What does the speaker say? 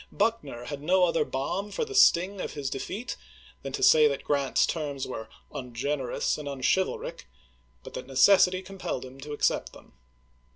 Buckuer had no other balm for the sting of his de feat than to say that Grant's terms were " ungener ous and unchivaMc," but that necessity compelled him to accept them.